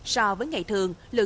so với ngày một tháng chín năm nay